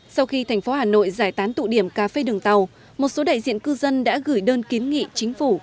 sau khi thành phố hà nội giải tán tụ điểm cà phê đường tàu một số đại diện cư dân đã gửi đơn kiến nghị chính phủ